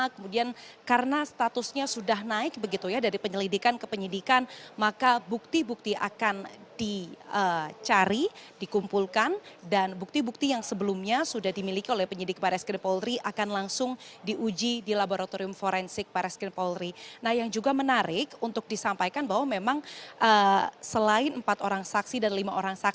kemudian karena statusnya sudah naik begitu ya dari penyelidikan ke penyidikan maka bukti bukti akan dicari dikumpulkan dan bukti bukti yang sebelumnya sudah dimiliki oleh penyidik barres krimpolri akan langsung dikumpulkan